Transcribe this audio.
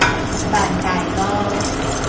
萬大路